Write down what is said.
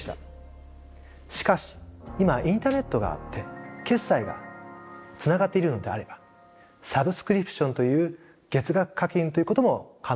しかし今はインターネットがあって決済がつながっているのであればサブスクリプションという月額課金ということも可能になります。